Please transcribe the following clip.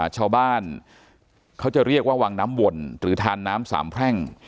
ชาวบ้านเขาจะเรียกว่าวังน้ำวนหรือทานน้ำสามแพร่ง